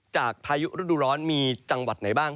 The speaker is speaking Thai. พายุฤดูร้อนมีจังหวัดไหนบ้าง